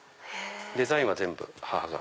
デザインは全部母が。